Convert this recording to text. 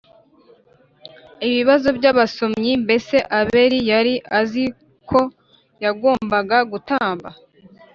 Ibibazo by abasomyi Mbese Abeli yari azi ko yagombaga gutamba